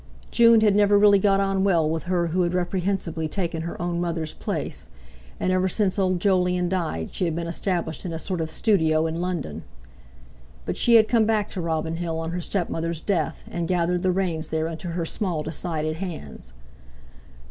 June had never really got on well with her who had reprehensibly taken her own mother's place; and ever since old Jolyon died she had been established in a sort of studio in London. But she had come back to Robin Hill on her stepmother's death, and gathered the reins there into her small decided hands.